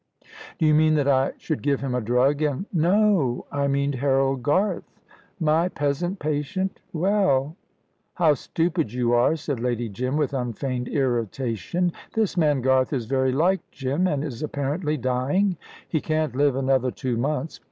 "Do you mean that I should give him a drug, and " "No; I mean Harold Garth." "My peasant patient. Well?" "How stupid you are," said Lady Jim, with unfeigned irritation. "This man Garth is very like Jim, and is apparently dying " "He can't live another two months."